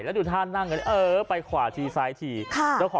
แล้วดูท่านั่งกันไปขวาฉีกซ้ายฉีก